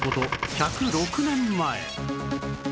１０６年前